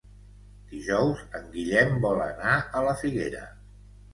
Dijous en Guillem vol anar a la Figuera.